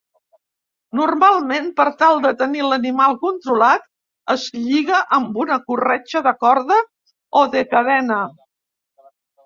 Normalment, per tal de tenir l'animal controlat, es lliga amb una corretja de corda o de cadena.